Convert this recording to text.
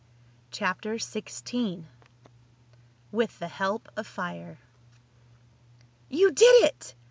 CHAPTER XVI WITH THE HELP OF FIRE "You did it!"